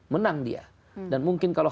menang dia dan mungkin kalau